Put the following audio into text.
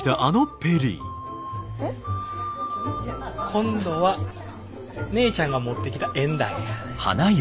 今度は姉ちゃんが持ってきた縁談や。